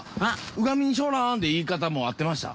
「うがみんしょうらん」で言い方も合ってました？